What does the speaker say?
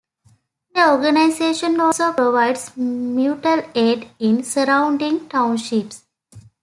The organization also provides mutual aid in surrounding townships.